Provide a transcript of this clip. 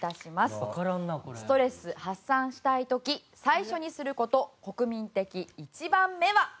ストレス発散したい時最初にする事国民的１番目は。